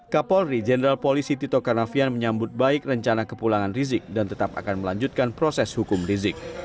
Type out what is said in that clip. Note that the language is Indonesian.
kapolri jenderal polisi tito karnavian menyambut baik rencana kepulangan rizik dan tetap akan melanjutkan proses hukum rizik